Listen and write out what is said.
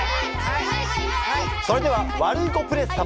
それではワルイコプレス様。